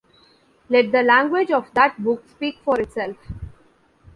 Let the language of that book speak for itself.